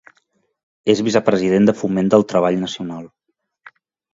És vicepresident de Foment del Treball Nacional.